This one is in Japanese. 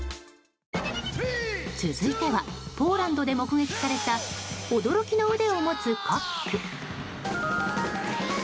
続いてはポーランドで目撃された驚きの腕を持つコック。